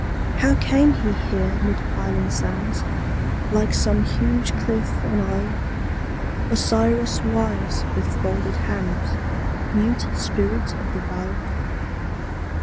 How came he here mid piling sands, Like some huge cliff enisled, Osiris wise, with folded hands, Mute spirit of the Wild?